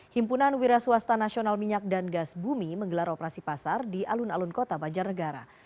himpunan wiraswasta nasional minyak dan gas bumi menggelar operasi pasar di alun alun kota banjar negara